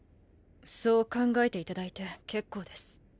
そう考えていただいて結構です。